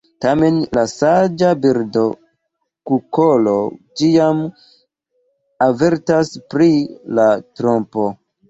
Tamen la saĝa birdo kukolo ĉiam avertas pri la trompo.